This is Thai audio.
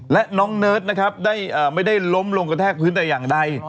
และน้องเนิร์ดนะครับไม่ได้ล้มลงกระแทกพื้นแต่อย่างใด